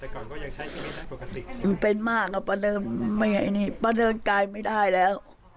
ก็เป็นมากป้าเรินกลายไม่ได้แล้ว